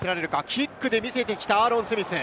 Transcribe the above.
キックで見せてきた、アーロン・スミス。